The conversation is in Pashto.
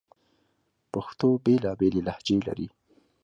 پښتو بیلابیلي لهجې لري